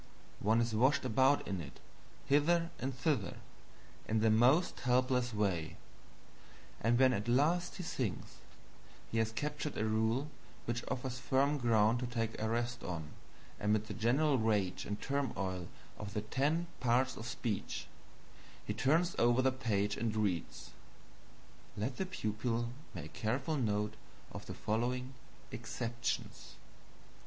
One is washed about in it, hither and thither, in the most helpless way; and when at last he thinks he has captured a rule which offers firm ground to take a rest on amid the general rage and turmoil of the ten parts of speech, he turns over the page and reads, "Let the pupil make careful note of the following EXCEPTIONS."